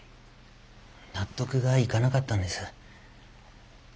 納得がいかなかったんです。